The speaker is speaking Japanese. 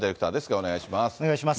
お願いします。